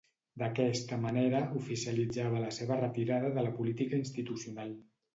D'aquesta manera, oficialitzava la seva retirada de la política institucional.